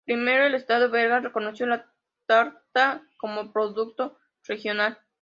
Primero, el estado belga reconoció la tarta como producto regional.